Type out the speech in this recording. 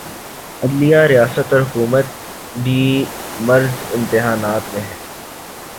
عدلیہ، ریاست اور حکومت بھی معرض امتحان میں ہیں۔